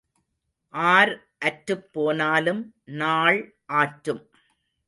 R அற்றுப் போனாலும் நாள் ஆற்றும்.